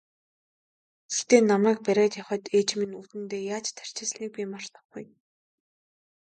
Гэхдээ намайг бариад явахад ээж маань үүдэндээ яаж тарчилсныг би мартахгүй.